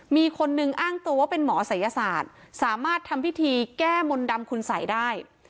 มีคนนึงอ้างตัวว่าเป็นหมอศัยศาสตร์สามารถทำพิธีแก้มนต์ดำคุณสัยได้